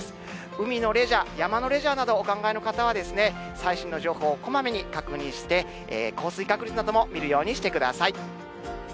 海のレジャー、山のレジャーなどお考えの方は、最新の情報をこまめに確認して、降水確率なども見るようにしてください。